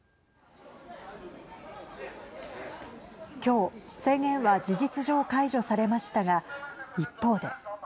きょう制限は事実上解除されましたが一方で。